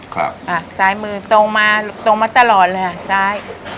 ครับอ่ะซ้ายมือตรงมาตรงมาตลอดเลยอ่ะซ้าย